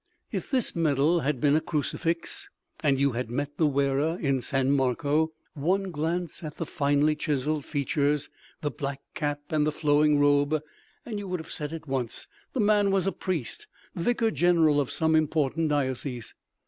If this medal had been a crucifix, and you had met the wearer in San Marco, one glance at the finely chiseled features, the black cap and the flowing robe and you would have said at once the man was a priest, Vicar General of some important diocese.